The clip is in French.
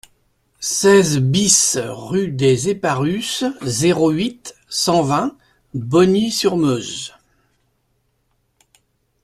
seize BIS rue des Eparus, zéro huit, cent vingt, Bogny-sur-Meuse